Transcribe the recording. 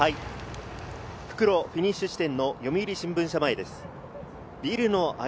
復路フィニッシュ地点の読売新聞社前です。